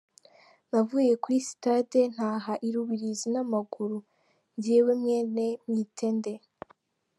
Navuye kuri sitade ntaha I Rubirizi n’ amaguru njyewe mwene Mwitende!”.